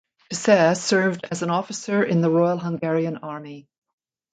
Cseh served as an officer in the Royal Hungarian Army.